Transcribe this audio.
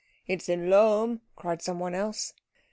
"It's in Lohm," cried someone else.